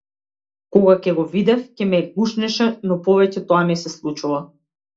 Кога ќе го видев ќе ме гушнеше но повеќе тоа не се случува.